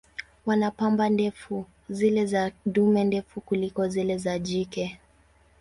Wana pamba ndefu, zile za dume ndefu kuliko zile za jike.